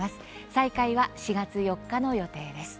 再開は４月４日の予定です。